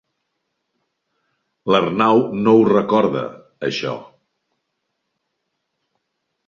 L'Arnau no ho recorda, això.